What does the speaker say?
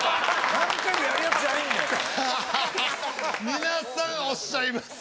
皆さんおっしゃいます。